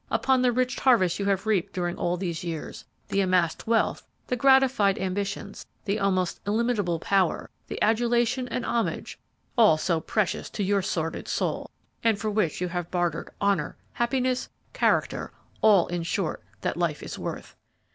upon the rich harvest you have reaped during all these years; the amassed wealth, the gratified ambitions, the almost illimitable power, the adulation and homage, all so precious to your sordid soul, and for which you have bartered honor, happiness, character, all, in short, that life is worth.